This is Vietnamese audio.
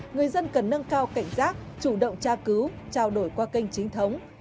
người dân cần nâng cao cảnh giác chủ động tra cứu trao đổi qua kênh chính thống